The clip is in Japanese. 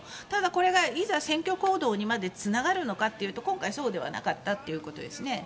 ただ、これがいざ選挙行動にまでつながるかというと今回、そうではなかったということです。